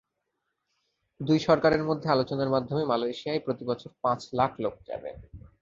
দুই সরকারের মধ্যে আলোচনার মাধ্যমে মালয়েশিয়ায় প্রতিবছর পাঁচ লাখ লোক যাবে।